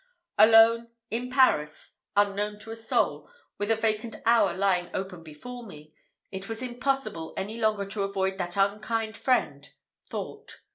Alone in Paris unknown to a soul with a vacant hour lying open before me it was impossible any longer to avoid that unkind friend, thought.